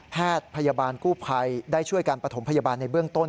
แพทย์พยาบาลกู้ภัยได้ช่วยการปฐมพยาบาลในเบื้องต้น